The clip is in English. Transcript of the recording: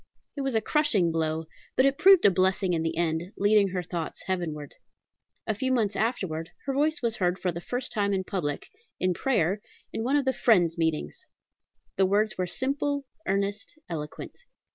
It was a crushing blow; but it proved a blessing in the end, leading her thoughts heavenward. A few months afterwards her voice was heard for the first time in public, in prayer, in one of the Friends' meetings. The words were simple, earnest, eloquent.